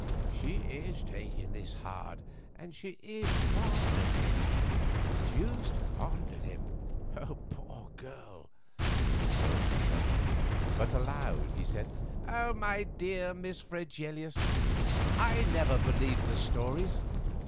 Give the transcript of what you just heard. "She is taking it hard and she is fond of him—deuced fond of him, poor girl," thought the Colonel; but aloud he said, "My dear Miss Fregelius, I never believed the stories.